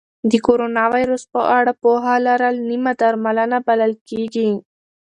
د کرونا ویروس په اړه پوهه لرل نیمه درملنه بلل کېږي.